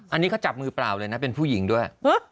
อันนี้เขาจับมือเปล่าเลยนะเป็นผู้หญิงด้วย